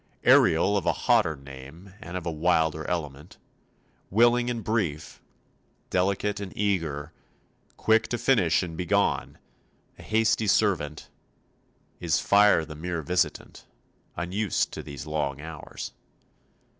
Ariel of a hotter name and of a wilder element, willing and brief, delicate and eager, quick to finish and be gone, a hasty servant, is fire the mere visitant, unused to these long hours.